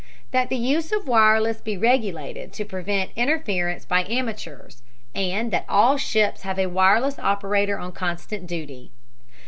That the use of wireless be regulated to prevent interference by amateurs, and that all ships have a wireless operator on constant duty.